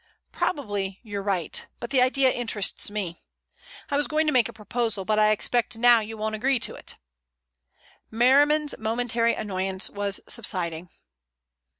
"Probably you're right, but the idea interests me. I was going to make a proposal, but I expect now you won't agree to it." Merriman's momentary annoyance was subsiding.